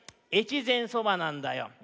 越前そばなんだよ。